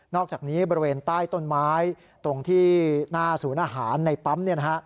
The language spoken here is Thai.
อกจากนี้บริเวณใต้ต้นไม้ตรงที่หน้าศูนย์อาหารในปั๊ม